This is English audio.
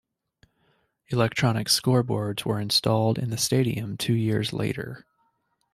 Electronic scoreboards were installed in the stadium two years later.